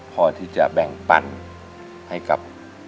พอที่จะแบ่งปันให้กับ